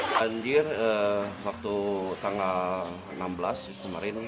banjir waktu tanggal enam belas kemarin